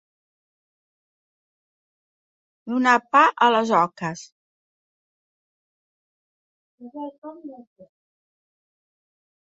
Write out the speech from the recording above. Donar pa a les oques.